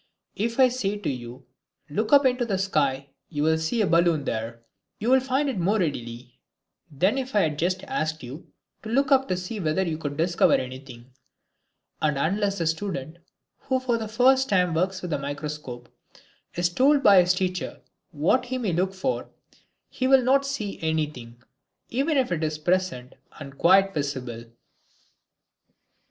If I say to you, "Look up into the sky, you can see a balloon there," you will find it more readily than if I had just asked you to look up to see whether you could discover anything. And unless the student who for the first time works with a microscope is told by his teacher what he may look for, he will not see anything, even if it is present and quite visible.